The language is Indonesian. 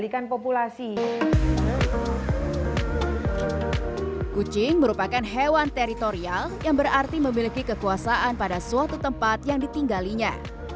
kucing merupakan hewan teritorial yang berarti memiliki kekuasaan pada suatu tempat yang ditinggalinya